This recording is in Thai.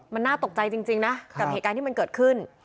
มันน่าตกใจจริงนะกับเหตุการณ์ที่มันเกิดขึ้น